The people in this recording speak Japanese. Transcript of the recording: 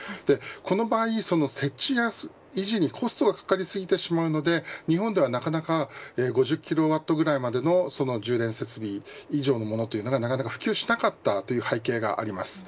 この場合その設置や維持にコストがかかりすぎてしまうので日本ではなかなか５０キロワットぐらいまでのその充電設備以上のものというのがなかなか普及しなかったという背景があります。